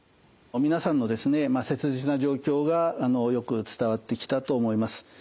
皆さんの切実な状況がよく伝わってきたと思います。